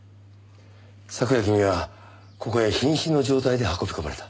昨夜君はここへ瀕死の状態で運び込まれた。